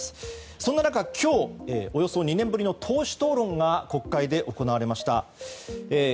そんな中、今日およそ２年ぶりの党首討論が国会で行われました。